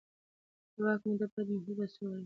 د واک موده باید محدود اصول ولري